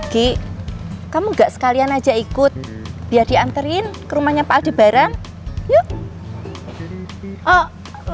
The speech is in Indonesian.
ki kamu gak sekalian aja ikut biar dianterin ke rumahnya pak aldebaran yuk